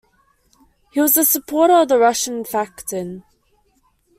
He was a supporter of the Russian faction.